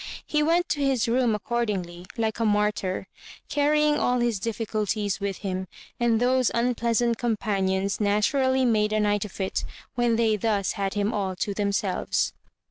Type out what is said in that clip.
He went to his room accordingly, like a martyr, carrying all his difficulties with him, and those unpleasant companions naturally made a night of it when they thus had him all to themselves.